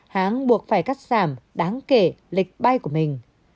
hãng buộc phải cắt giảm đáng kể lịch bay của mình